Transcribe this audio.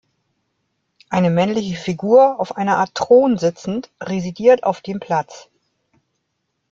Eine männliche Figur auf einer Art Thron sitzend, residiert auf dem Platz.